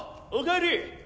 おかえり。